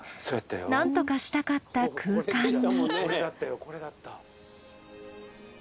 なんとかしたかった空間に。